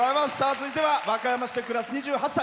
続いては和歌山市で暮らす２８歳。